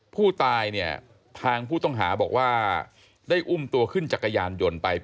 ผู้ตายเนี่ยทางผู้ต้องหาบอกว่าได้อุ้มตัวขึ้นจักรยานยนต์ไป